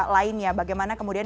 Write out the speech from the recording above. lainnya bagaimana kemudian